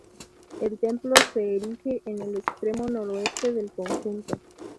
El templo se erige en el extremo noroeste del conjunto.